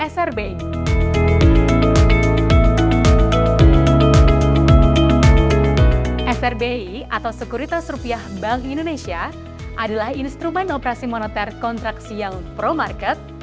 srbi atau sekuritas rupiah bank indonesia adalah instrumen operasi moneter kontraksi yang pro market